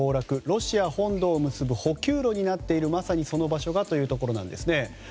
ロシア本土を結ぶ補給路になっている、まさにその場所がということですね。